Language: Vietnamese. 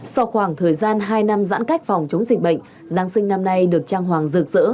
sau khoảng thời gian hai năm giãn cách phòng chống dịch bệnh giáng sinh năm nay được trang hoàng rực rỡ